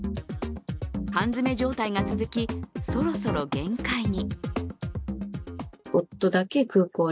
缶詰状態が続き、そろそろ限界に。